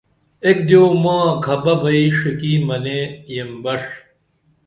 ایک دیو ماں کھپہ بئی ݜِکی منے یین بݜ